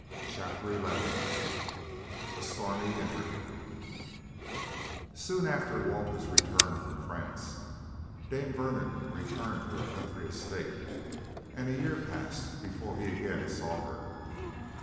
CHAPTER XI: A STORMY INTERVIEW Soon after Walter's return from France Dame Vernon returned to her country estate, and a year passed before he again saw her.